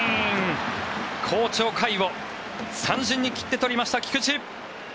好調、甲斐を三振に切って取りました菊地。